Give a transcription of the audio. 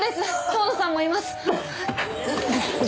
遠野さんもいます！